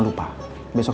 terima kasih pak